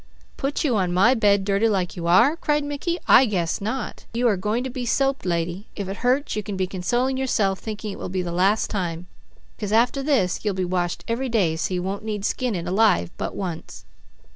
"Put you on my bed, dirty like you are?" cried Mickey. "I guess not! You are going to be a soaped lady. If it hurts, you can be consoling yourself thinking it will be the last time, 'cause after this you'll be washed every day so you won't need skinning alive but once."